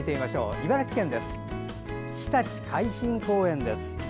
茨城県、ひたち海浜公園です。